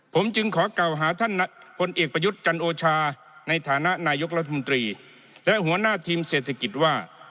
ผมจึงขอกล่าวหาท่านพลเอกประยุทธ์จันโอชาในฐานะนายกรัฐมนตรีและหัวหน้าทีมเศรษฐกิจว่า